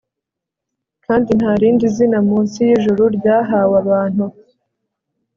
kandi nta rindi zina munsi yijuru ryahawabantu